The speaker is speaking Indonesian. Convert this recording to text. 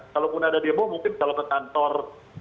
kalaupun ada demo mungkin kalau ke kantor